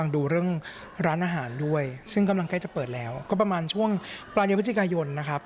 ตั้งใจอยากจะทำหลายหลายอย่างเลย